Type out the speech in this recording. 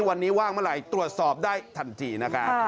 วันนี้ว่างเมื่อไหร่ตรวจสอบได้ทันทีนะครับ